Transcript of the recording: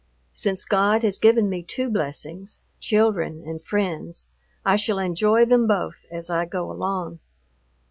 Since God has given me two blessings, children and friends, I shall enjoy them both as I go along.